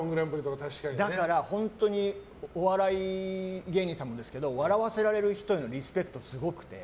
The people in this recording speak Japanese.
だからお笑い芸人さんもですけど笑わせられる人へのリスペクトすごくて。